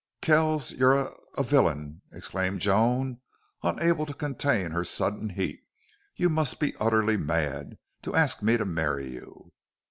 "Kells, you're a a villain!" exclaimed Joan, unable to contain her sudden heat. "You must be utterly mad to ask me to marry you."